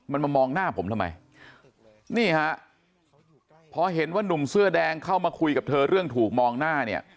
มันมามองหน้าผมทำไมนี่ฮะพอเห็นว่านุ่มเสื้อแดงเข้ามาคุยกับเธอเรื่องถูกมองหน้าเนี่ย